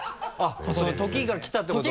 時が来たってことね？